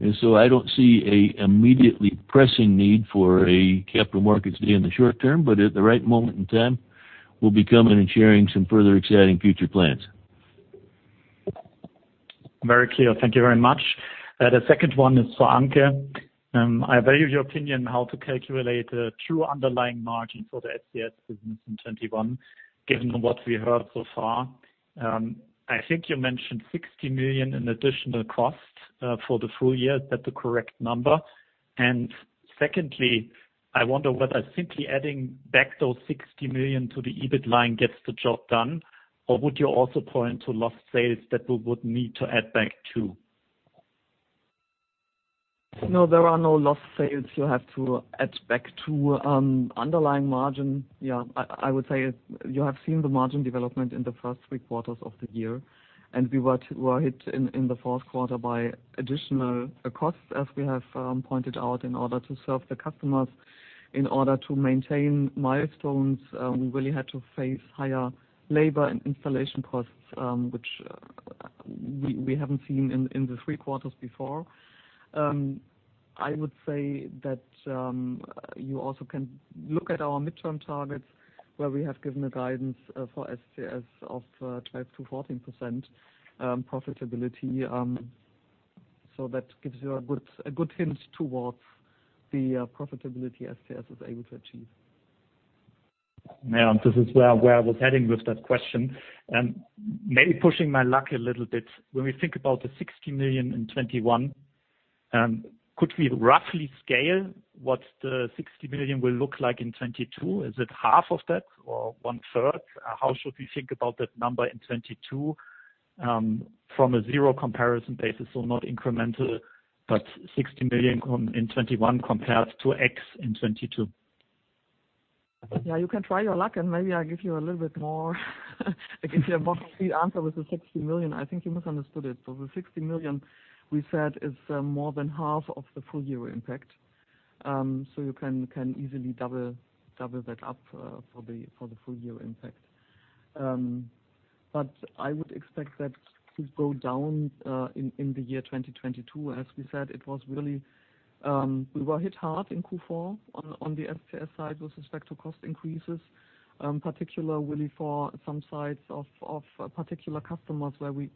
I don't see an immediately pressing need for a capital markets day in the short term, but at the right moment in time, we'll be coming and sharing some further exciting future plans. Very clear. Thank you very much. The second one is for Anke. I value your opinion how to calculate the true underlying margin for the SCS business in 2021, given what we heard so far. I think you mentioned 60 million in additional costs for the full year. Is that the correct number? Secondly, I wonder whether simply adding back those 60 million to the EBIT line gets the job done, or would you also point to lost sales that we would need to add back, too? No, there are no lost sales you have to add back to underlying margin. Yeah, I would say you have seen the margin development in the first three quarters of the year, and we were hit in the fourth quarter by additional costs, as we have pointed out, in order to serve the customers. In order to maintain milestones, we really had to face higher labor and installation costs, which we haven't seen in the three quarters before. I would say that you also can look at our midterm targets where we have given a guidance for SCS of 12%-14% profitability. That gives you a good hint towards the profitability SCS is able to achieve. This is where I was heading with that question. Maybe pushing my luck a little bit, when we think about the 60 million in 2021, could we roughly scale what the 60 million will look like in 2022? Is it half of that or one-third? How should we think about that number in 2022, from a zero comparison basis, so not incremental, but 60 million in 2021 compared to X in 2022? Yeah, you can try your luck and maybe I give you a little bit more. I give you a more sweet answer with the 60 million. I think you misunderstood it. The 60 million we said is more than half of the full year impact. You can easily double that up for the full year impact. I would expect that to go down in 2022. As we said, it was really we were hit hard in Q4 on the SCS side with respect to cost increases, particularly for some sites of particular customers where we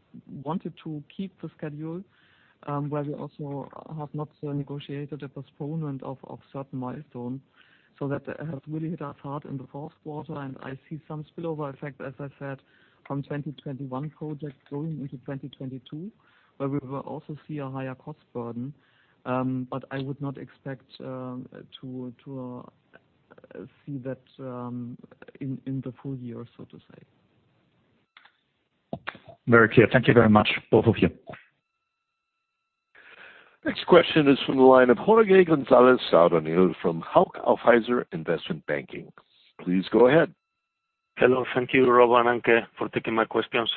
wanted to keep the schedule, where we also have not negotiated a postponement of certain milestones. That has really hit us hard in the fourth quarter, and I see some spillover effect, as I said, from 2021 projects going into 2022, where we will also see a higher cost burden. I would not expect to see that in the full year, so to say. Very clear. Thank you very much, both of you. Next question is from the line of Jorge González Sadornil from Hauck & Aufhäuser Investment Banking. Please go ahead. Hello. Thank you, Rob and Anke, for taking my questions.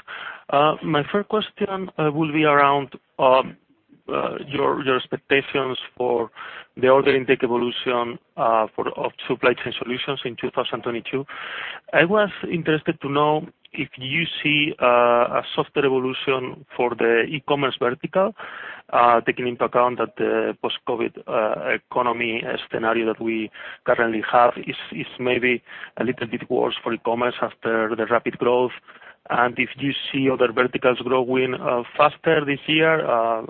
My first question will be around your expectations for the order intake evolution for Supply Chain Solutions in 2022. I was interested to know if you see a softer evolution for the e-commerce vertical taking into account that the post-COVID economy scenario that we currently have is maybe a little bit worse for e-commerce after the rapid growth. If you see other verticals growing faster this year,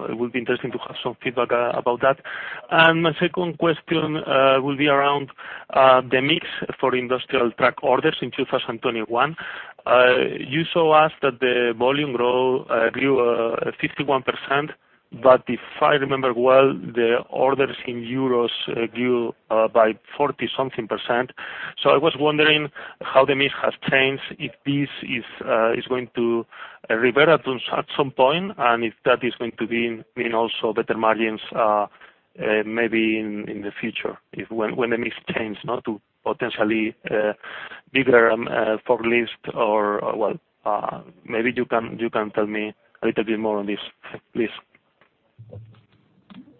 it would be interesting to have some feedback about that. My second question will be around the mix for industrial truck orders in 2021. You saw that the volume grew 51%, but if I remember well, the orders in EUR grew by 40-something%. I was wondering how the mix has changed, if this is going to revert at some point, and if that is going to be, you know, so better margins, maybe in the future, if when the mix change, not to potentially bigger forklift or maybe you can tell me a little bit more on this, please.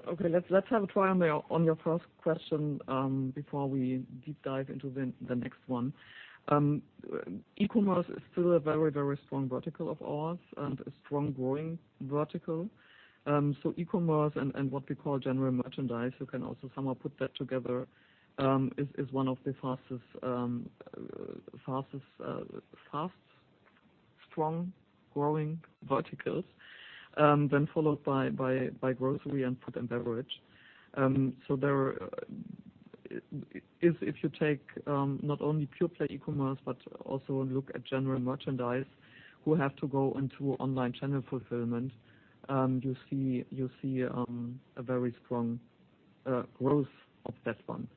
Okay. Let's have a try on your first question before we deep dive into the next one. E-commerce is still a very strong vertical of ours and a strong growing vertical. E-commerce and what we call general merchandise, you can also somehow put that together, is one of the fastest strong growing verticals, then followed by grocery and food and beverage. There, if you take not only pure-play e-commerce, but also look at general merchandise who have to go into online channel fulfillment, you see a very strong growth of that one.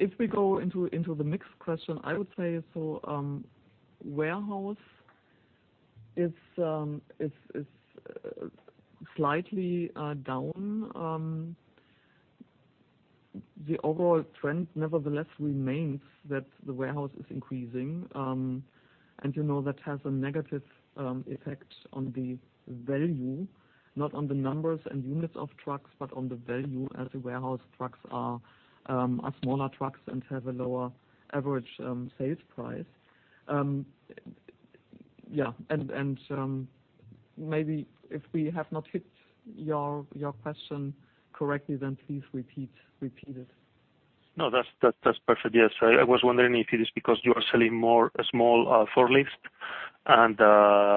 If we go into the mix question, I would say so, warehouse is slightly down. The overall trend, nevertheless, remains that the warehouse is increasing. You know, that has a negative effect on the value, not on the numbers and units of trucks, but on the value as the warehouse trucks are smaller trucks and have a lower average sales price. Yeah. Maybe if we have not hit your question correctly, then please repeat it. No, that's perfect. Yes. I was wondering if it is because you are selling more small forklifts and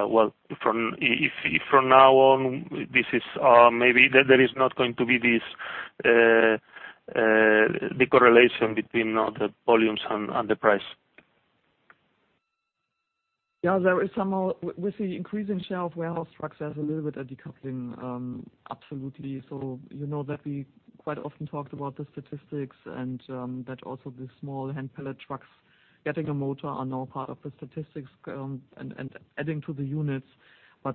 well, if from now on this is maybe there is not going to be this, the correlation between the volumes and the price. Yeah, there is somehow with the increase in shelf warehouse trucks, there's a little bit of decoupling, absolutely. You know that we quite often talked about the statistics and that also the small hand pallet trucks getting a motor are now part of the statistics, and adding to the units.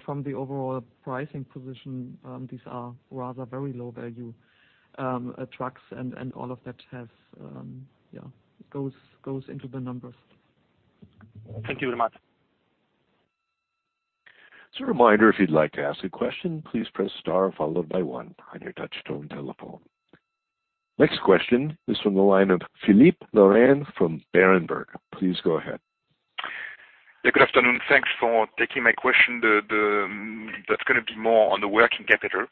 From the overall pricing position, these are rather very low value trucks. All of that, yeah, goes into the numbers. Thank you very much. As a reminder, if you'd like to ask a question, please press star followed by one on your touchtone telephone. Next question is from the line of Philippe Lorrain from Berenberg. Please go ahead. Yeah, good afternoon. Thanks for taking my question. That's gonna be more on the working capital.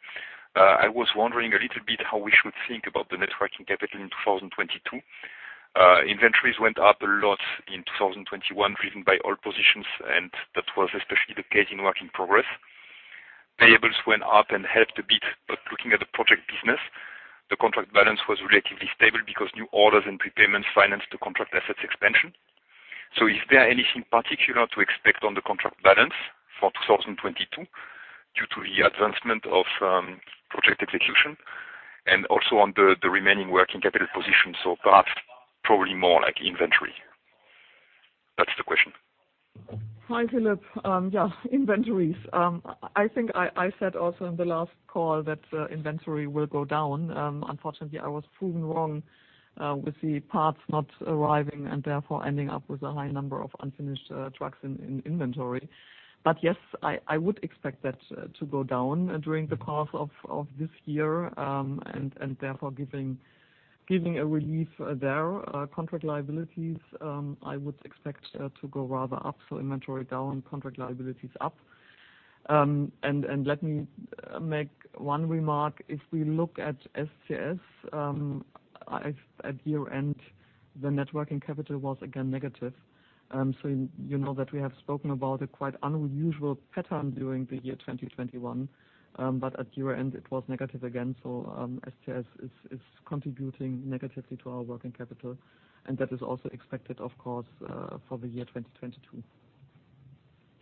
I was wondering a little bit how we should think about the net working capital in 2022. Inventories went up a lot in 2021, driven by all positions, and that was especially the case in work in progress. Payables went up and helped a bit, but looking at the project business, the contract balance was relatively stable because new orders and prepayments financed the contract assets expansion. Is there anything particular to expect on the contract balance for 2022 due to the advancement of project execution and also on the remaining working capital position, so perhaps probably more like inventory? That's the question. Hi, Philippe. Yeah, inventories. I think I said also in the last call that inventory will go down. Unfortunately, I was proven wrong with the parts not arriving and therefore ending up with a high number of unfinished trucks in inventory. Yes, I would expect that to go down during the course of this year and therefore giving a relief there. Contract liabilities, I would expect to go rather up, so inventory down, contract liabilities up. Let me make one remark. If we look at SCS, at year-end, the net working capital was again negative. So you know that we have spoken about a quite unusual pattern during the year 2021, but at year-end it was negative again. SCS is contributing negatively to our working capital, and that is also expected of course, for the year 2022.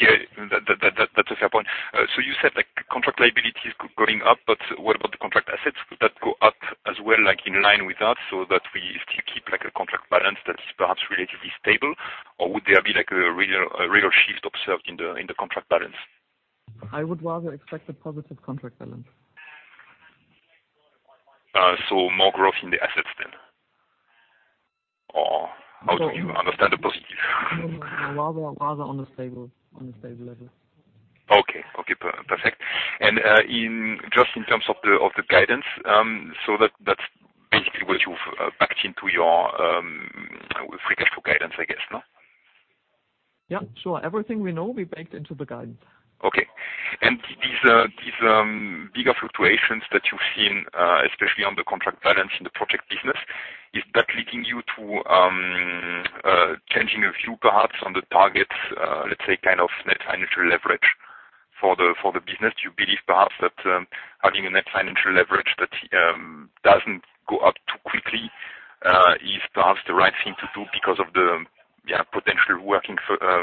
Yeah. That's a fair point. So you said like contract liability is going up, but what about the contract assets? Would that go up as well, like in line with that so that we still keep like a contract balance that is perhaps relatively stable? Or would there be like a real shift observed in the contract balance? I would rather expect a positive contract balance. More growth in the assets then? Or how do you understand the positive? No, rather on a stable level. Okay. Okay, perfect. Just in terms of the guidance, so that's basically what you've backed into your free cash flow guidance, I guess, no? Yeah, sure. Everything we know, we backed into the guidance. Okay. These bigger fluctuations that you've seen, especially on the contract balance in the project business, is that leading you to changing your view perhaps on the targets, let's say kind of net financial leverage for the business? You believe perhaps that having a net financial leverage that doesn't go up too quickly is perhaps the right thing to do because of the potential working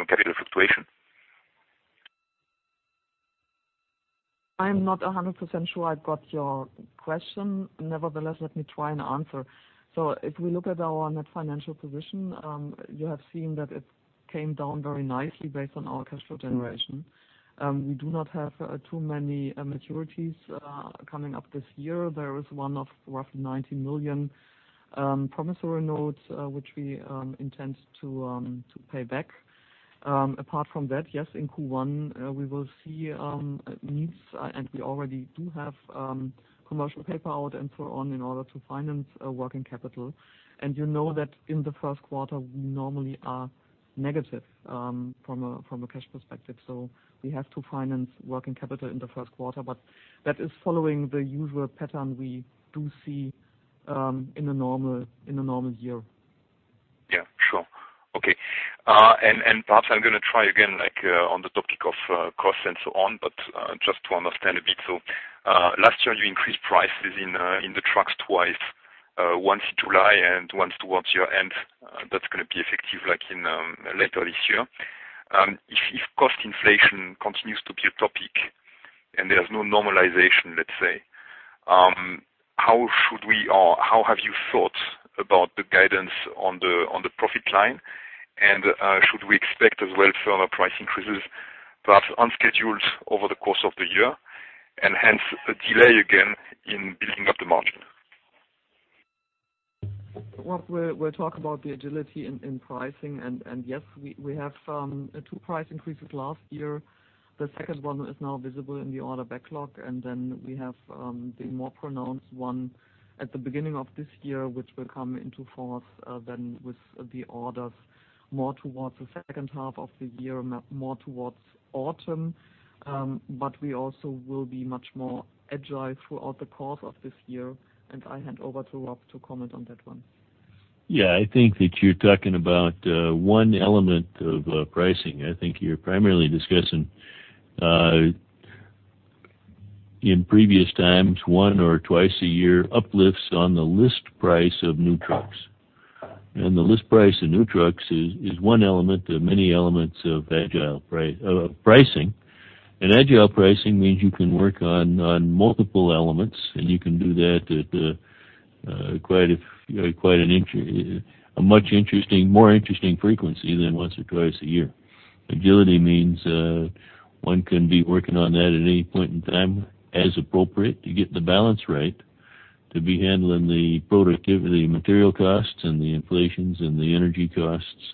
capital fluctuation? I'm not 100% sure I've got your question. Nevertheless, let me try and answer. If we look at our net financial position, you have seen that it came down very nicely based on our cash flow generation. We do not have too many maturities coming up this year. There is one of roughly 90 million promissory notes which we intend to pay back. Apart from that, yes, in Q1 we will see needs and we already do have commercial paper out and so on in order to finance working capital. You know that in the first quarter we normally are negative from a cash perspective, so we have to finance working capital in the first quarter. That is following the usual pattern we do see in a normal year. Yeah, sure. Okay. Perhaps I'm gonna try again, like, on the topic of cost and so on, but just to understand a bit. Last year you increased prices in the trucks twice, once in July and once towards year-end. That's gonna be effective like in later this year. If cost inflation continues to be a topic and there's no normalization, let's say, how should we or how have you thought about the guidance on the profit line? Should we expect as well further price increases, perhaps unscheduled over the course of the year and hence a delay again in building up the margin? We'll talk about the agility in pricing. Yes, we have two price increases last year. The second one is now visible in the order backlog, and then we have the more pronounced one at the beginning of this year, which will come into force then with the orders more towards the second half of the year, more towards autumn. We also will be much more agile throughout the course of this year, and I hand over to Rob to comment on that one. Yeah. I think that you're talking about one element of pricing. I think you're primarily discussing in previous times one or twice a year uplifts on the list price of new trucks. The list price of new trucks is one element of many elements of agile pricing. Agile pricing means you can work on multiple elements, and you can do that at a much more interesting frequency than once or twice a year. Agility means one can be working on that at any point in time as appropriate to get the balance right, to be handling the productivity, material costs and the inflation and the energy costs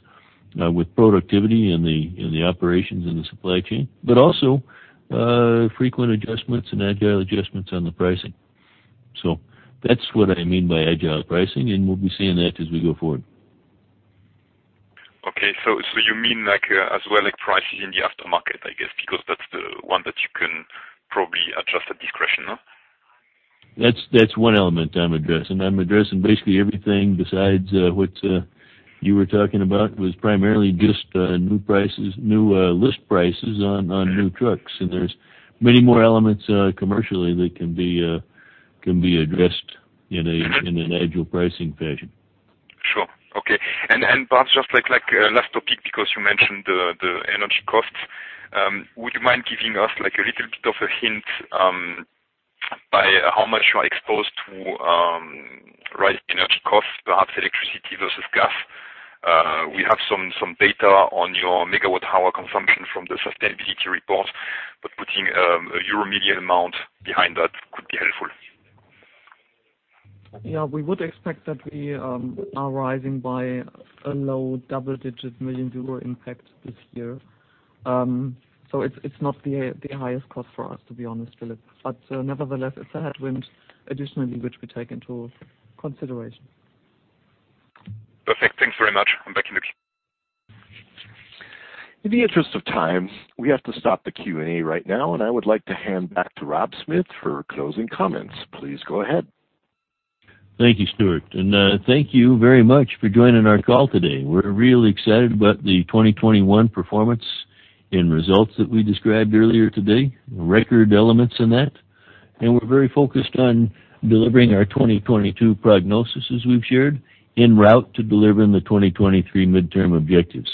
with productivity and the operations in the supply chain, but also frequent adjustments and agile adjustments on the pricing. That's what I mean by agile pricing, and we'll be seeing that as we go forward. Okay. You mean like, as well, like pricing in the aftermarket, I guess, because that's the one that you can probably adjust at discretion, no? That's one element I'm addressing. I'm addressing basically everything besides what you were talking about was primarily just new prices, new list prices on new trucks. There's many more elements commercially that can be addressed in an agile pricing fashion. Sure. Okay. Perhaps just like last topic, because you mentioned the energy costs. Would you mind giving us like a little bit of a hint, by how much you are exposed to rising energy costs, perhaps electricity versus gas? We have some data on your megawatt-hour consumption from the sustainability report, but putting a euro million amount behind that could be helpful. Yeah. We would expect that we are rising by a low double-digit million EUR impact this year. It's not the highest cost for us, to be honest, Philippe. Nevertheless, it's a headwind additionally, which we take into consideration. Perfect. Thanks very much. I'm back in the queue. In the interest of time, we have to stop the Q&A right now, and I would like to hand back to Rob Smith for closing comments. Please go ahead. Thank you, Stuart. Thank you very much for joining our call today. We're really excited about the 2021 performance and results that we described earlier today, record elements in that. We're very focused on delivering our 2022 prognosis, as we've shared, en route to delivering the 2023 midterm objectives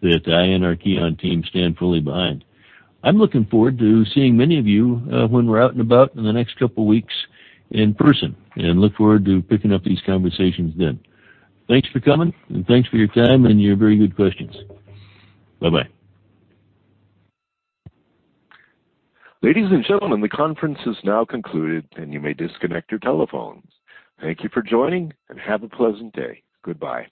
that I and our KION team stand fully behind. I'm looking forward to seeing many of you when we're out and about in the next couple weeks in person, and look forward to picking up these conversations then. Thanks for coming, and thanks for your time and your very good questions. Bye-bye. Ladies and gentlemen, the conference is now concluded, and you may disconnect your telephones. Thank you for joining, and have a pleasant day. Goodbye.